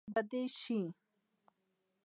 خوښ به دي شي.